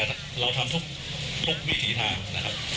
แต่เราทำทุกวิถีทางนะครับ